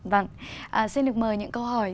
vâng xin được mời những câu hỏi